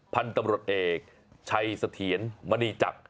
พันธุ์ตำรวจเอกชัยเสถียรมณีจักร